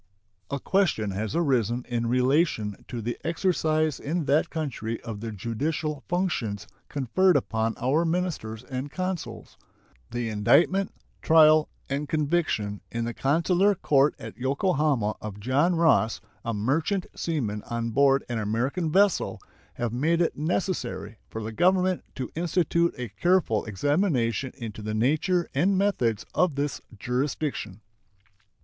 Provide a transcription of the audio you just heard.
A question has arisen in relation to the exercise in that country of the judicial functions conferred upon our ministers and consuls. The indictment, trial, and conviction in the consular court at Yokohama of John Ross, a merchant seaman on board an American vessel, have made it necessary for the Government to institute a careful examination into the nature and methods of this jurisdiction.